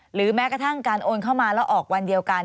หรือแม้กระทั่งการโอนเข้ามาแล้วออกวันเดียวกัน